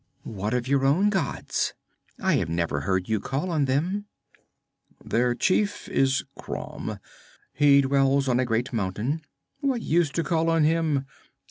'What of your own gods? I have never heard you call on them.' 'Their chief is Crom. He dwells on a great mountain. What use to call on him?